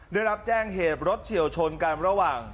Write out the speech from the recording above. ได้รับแจ้งเหตุรถเฉียวชนกันระหว่าง